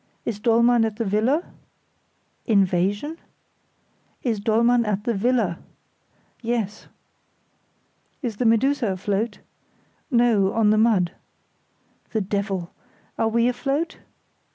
Is Dollmann at the villa?" "Invasion?" "Is Dollmann at the villa?" "Yes." "Is the Medusa afloat?" "No, on the mud." "The devil! Are we afloat?"